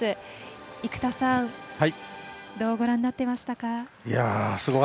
どうご覧になっていましたか？